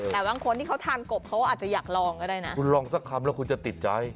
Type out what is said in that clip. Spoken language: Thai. แต่บางคนที่เขาทานกบเขาอาจจะอยากลองก็ได้นะคุณลองสักคำแล้วคุณจะติดใจ